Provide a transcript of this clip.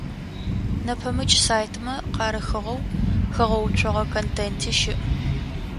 Нэпэмыкӏ сайтмэ къарыхыгъэу хэгъэуцогъэ контенти щыӏ.